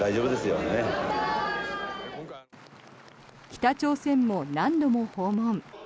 北朝鮮も何度も訪問。